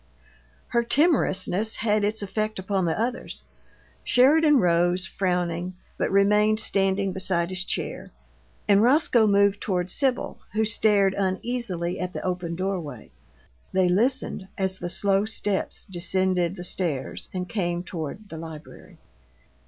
Her timorousness had its effect upon the others. Sheridan rose, frowning, but remained standing beside his chair; and Roscoe moved toward Sibyl, who stared uneasily at the open doorway. They listened as the slow steps descended the stairs and came toward the library.